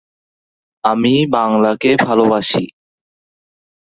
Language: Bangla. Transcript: নিকোলাস অটো তার ইঞ্জিনের জন্য হরেক রকম সম্মাননা লাভ করেছেন।